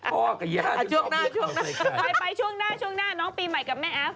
ครอบครัวไอ้ไอ้พี่มันช่วงหน้าน้องปีนใหม่กับแม่แอลฟ